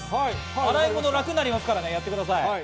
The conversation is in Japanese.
洗い物が楽になりますからやってください。